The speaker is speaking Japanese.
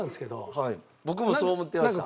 はい僕もそう思ってました。